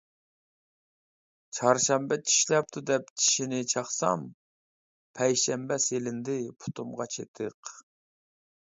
چارشەنبە چىشلەپتۇ دەپ چىشىنى چاقسام، پەيشەنبە سېلىندى پۇتۇمغا چېتىق.